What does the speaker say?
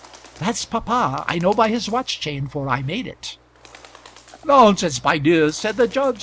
"That's papa; I know by his watch chain, for I made it." "Nonsense, my dears," said the judge.